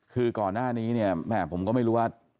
คือก่อนหน้านี้เนี่ยแม่ผมก็ไม่รู้ว่า